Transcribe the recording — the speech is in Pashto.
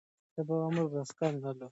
دوی وویل چې انګریزان مات سول.